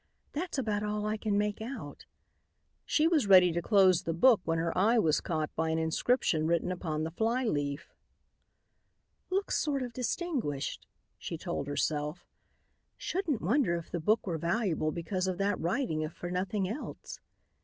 "That's about all I can make out." She was ready to close the book when her eye was caught by an inscription written upon the fly leaf. "Looks sort of distinguished," she told herself. "Shouldn't wonder if the book were valuable because of that writing if for nothing else."